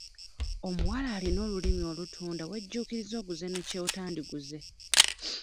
Omuwala alina olulimi olutunda wejjuukiriza oguze ne ky'otandiguze.